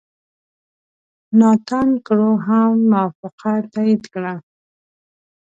ناتان کرو هم موافقه تایید کړه.